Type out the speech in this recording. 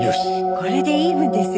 これでイーブンですよ。